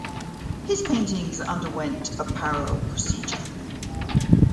His paintings underwent a parallel procedure.